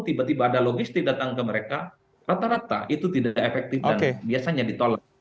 tiba tiba ada logistik datang ke mereka rata rata itu tidak efektif dan biasanya ditolak